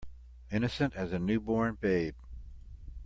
Innocent as a new born babe.